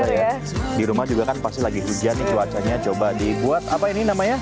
iya di rumah juga kan pasti lagi hujan cuacanya coba dibuat apa ini namanya